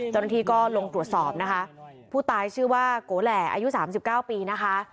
ตอนนี้ก็ลงตรวจสอบนะคะผู้ตายชื่อว่าโกแหล่อายุ๓๙ปีนะคะ